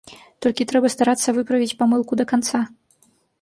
Толькі трэба старацца выправіць памылку да канца.